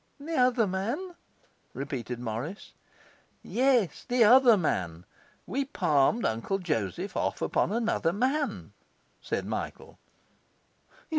'The other man?' repeated Morris. 'Yes, the other man. We palmed Uncle Joseph off upon another man,' said Michael.